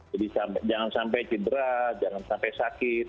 jadi jangan sampai cedera jangan sampai sakit